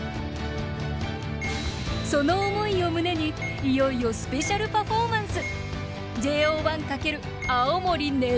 その思いを胸にいよいよスペシャルパフォーマンス！